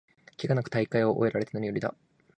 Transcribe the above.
ケガなく大会を終えられてなによりだ